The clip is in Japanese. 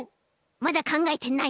まだかんがえてない。